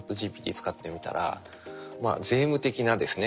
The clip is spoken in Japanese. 使ってみたら税務的なですね